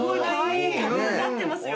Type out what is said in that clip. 合ってますよ。